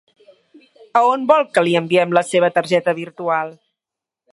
A on vol que li enviem la seva targeta virtual?